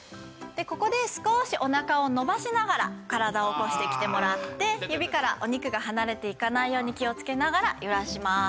ここで少しお腹を伸ばしながら体を起こしてきてもらって指からお肉が離れていかないように気をつけながら揺らします。